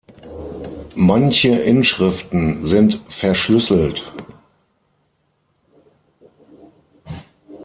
Manche Inschriften sind verschlüsselt.